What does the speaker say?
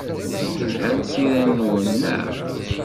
Lhant tira-nwen, naɣ?